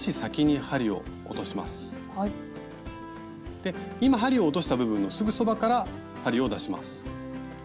今針を落とした部分のすぐそばから針を出します。